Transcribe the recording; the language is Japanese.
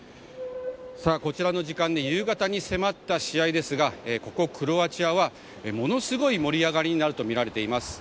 こちらの時間で夕方に迫った試合ですがここクロアチアはものすごい盛り上がりになるとみられています。